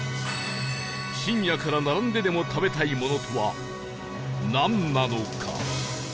深夜から並んででも食べたいものとはなんなのか？